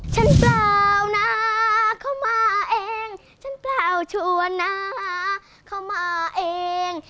เปล่านะเขามาเองฉันเปล่าชวนน้าเข้ามาเอง